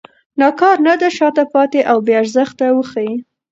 ناکارنده، شاته پاتې او بې ارزښته وښيي.